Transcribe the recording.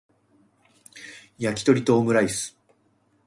やきとりとオムライス